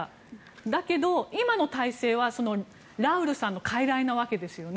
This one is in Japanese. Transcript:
だけど、今の体制はラウルさんのかいらいなわけですよね。